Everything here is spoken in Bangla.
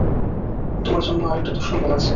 তোমার জন্য আরেকটা দুঃসংবাদ আছে।